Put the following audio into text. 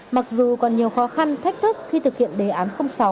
mặc dù còn nhiều khó khăn thách thức khi thực hiện đề án sáu